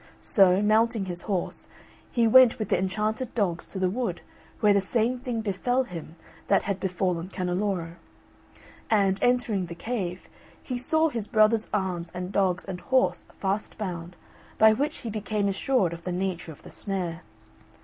So, mounting his horse, he went with the enchanted dogs to the wood, where the same thing befell him that had befallen Canneloro; and, entering the cave, he saw his brother's arms and dogs and horse fast bound, by which he became assured of the nature of the snare.